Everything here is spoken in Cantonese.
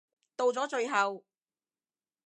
到咗最後